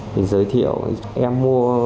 thì giới thiệu em mua ma túy ở trên mộc châu